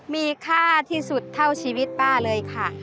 มีค่าที่สุดเท่าชีวิตป้าเลยค่ะ